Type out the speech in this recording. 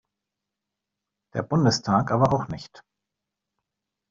Der Bundestag aber auch nicht.